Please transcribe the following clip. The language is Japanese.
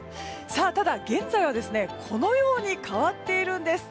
ただ、現在はこのように変わっているんです。